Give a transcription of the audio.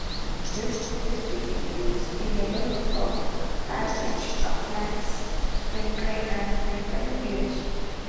This district includes the neighbourhoods of Parkridge, Uplands, Glencairn and Glencairn Village.